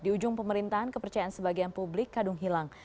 di ujung pemerintahan kepercayaan sebagian publik kadung hilang